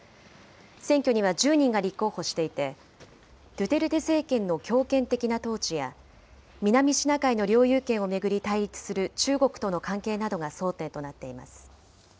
選挙には１０人が立候補していて、ドゥテルテ政権の強権的な統治や、南シナ海の領有権を巡り対立する中国との関係などが争点となっています。